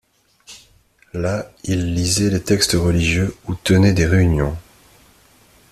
Là, ils lisaient les textes religieux ou tenaient des réunions.